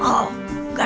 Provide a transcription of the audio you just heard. dia yang bersama wabayang